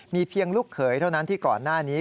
มีเพียงลูกเขยเท่านั้นที่ก่อนหน้านี้